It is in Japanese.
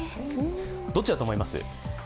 どっちだと思います？